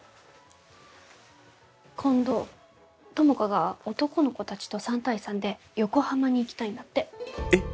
今度友果が男の子達と３対３で横浜に行きたいんだってえっ？